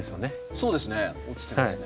そうですね落ちてますね。